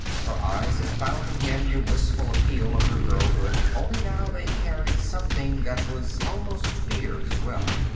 Her eyes had found again the wistful appeal of her girlhood, only now they carried something that was almost fear, as well.